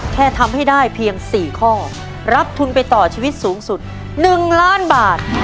แค่ทำให้ได้เพียง๔ข้อรับทุนไปต่อชีวิตสูงสุด๑ล้านบาท